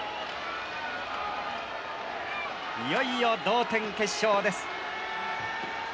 いよいよ同点決勝です。